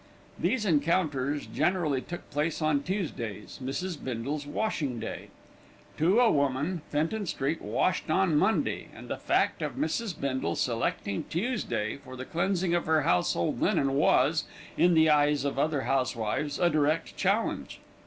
These encounters generally took place on Tuesdays, Mrs. Bindle's washing day. To a woman, Fenton Street washed on Monday, and the fact of Mrs. Bindle selecting Tuesday for the cleansing her household linen was, in the eyes of other housewives, a direct challenge.